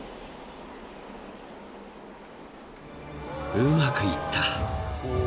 ［うまくいった］